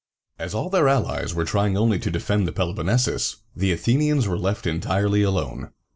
As all their allies were trying only to defend the Peloponnesus, the Athenians were left entirely alone.